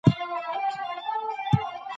ذهن د سپورت له لارې قوي کېږي.